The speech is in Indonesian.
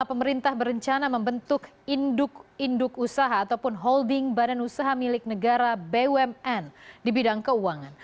pemerintah berencana membentuk induk induk usaha ataupun holding badan usaha milik negara bumn di bidang keuangan